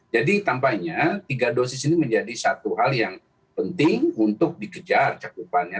jadi tampaknya tiga dosis ini menjadi satu hal yang penting untuk dikejar cakupannya